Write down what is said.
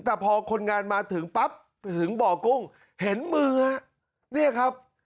แต่พอคนงานมาถึงปั๊บถึงบ่อกุ้งเห็นมือฮะเนี่ยครับ